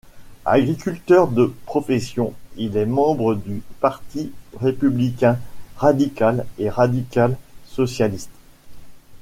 Agriculteur de profession, il est membre du Parti républicain, radical et radical-socialiste.